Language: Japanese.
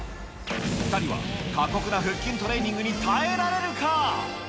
２人は過酷な腹筋トレーニングに耐えられるか？